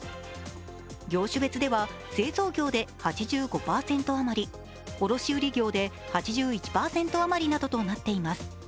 業種別では製造業で８５％余り、卸売業で８１％あまりなどとなっています。